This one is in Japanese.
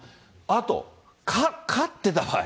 あと、勝ってた場合。